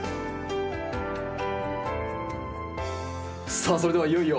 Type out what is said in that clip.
さあそれではいよいよ。